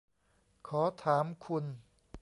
ขอถามคุณ